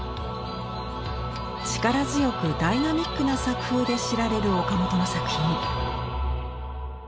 力強くダイナミックな作風で知られる岡本の作品。